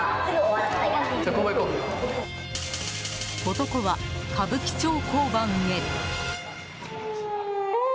男は歌舞伎町交番へ。